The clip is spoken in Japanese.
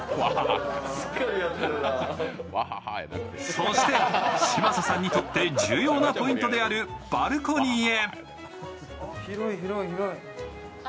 そして嶋佐さんにとって重要なポイントであるバルコニーへ。